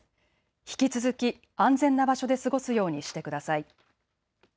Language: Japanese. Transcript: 引き続き安全な場所で過ごすようにしてください。